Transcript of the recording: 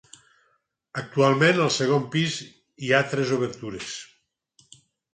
Actualment, al segon pis hi ha tres obertures.